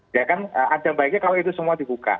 ya kan ada baiknya kalau itu semua dibuka